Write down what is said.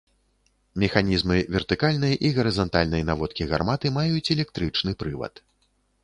Механізмы вертыкальнай і гарызантальнай наводкі гарматы маюць электрычны прывад.